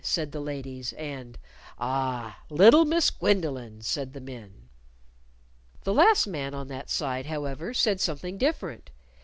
said the ladies, and "Ah, little Miss Gwendolyn!" said the men. The last man on that side, however, said something different.